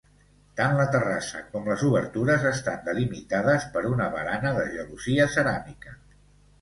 Tant la terrassa com les obertures estan delimitades per una barana de gelosia ceràmica.